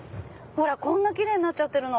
こんな奇麗になっちゃってるの。